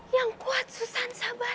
yang kuat susan sabar